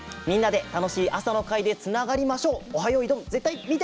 みんなで楽しい朝の会でつながりましょう。